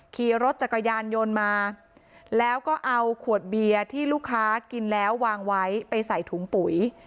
ขี่รถจักรยานยนต์มาแล้วก็เอาขวดเบียร์ที่ลูกค้ากินแล้ววางไว้ไปใส่ถุงปุ๋ย